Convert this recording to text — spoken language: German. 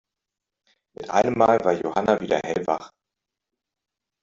Mit einem Mal war Johanna wieder hellwach.